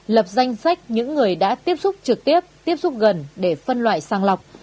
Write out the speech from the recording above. lập danh sách những người đã tiếp xúc trực tiếp tiếp xúc gần để phân loại sang lọc